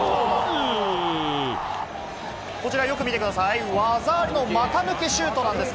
こちらよく見てください、技ありの股抜きシュートなんです。